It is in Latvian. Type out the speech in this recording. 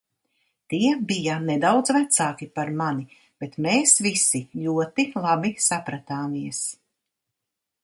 Tie bija nedaudz vecāki par mani, bet mēs visi ļoti labi sapratāmies.